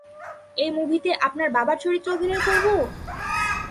এই মুভিতে আপনার বাবার চরিত্রে অভিনয় করবো!